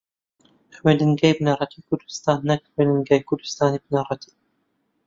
خوێندنگەی بنەڕەتیی کوردستان نەک خوێندنگەی کوردستانی بنەڕەتی